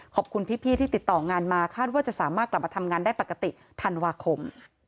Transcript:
ขอบคุณพี่ที่ติดต่องานมาคาดว่าจะสามารถกลับมาทำงานได้ปกติธันวาคม